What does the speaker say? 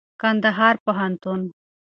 کنــدهـــار پوهنـتــون